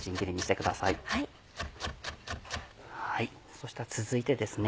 そして続いてですね